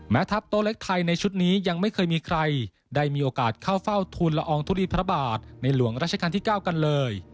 ทัพโต๊ะเล็กไทยในชุดนี้ยังไม่เคยมีใครได้มีโอกาสเข้าเฝ้าทุนละอองทุลีพระบาทในหลวงราชการที่๙กันเลย